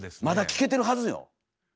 まだ聞けてるはずよ。